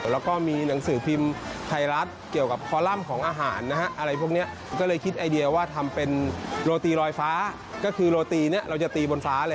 แล้วก็มีหนังสือพิมพ์ไทยรัฐเกี่ยวกับคอลัมป์ของอาหารนะครับ